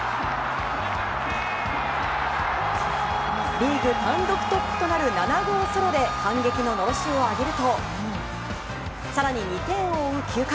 リーグ単独トップとなる７号ソロで反撃ののろしを上げると更に２点を追う９回。